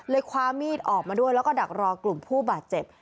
คว้ามีดออกมาด้วยแล้วก็ดักรอกลุ่มผู้บาดเจ็บ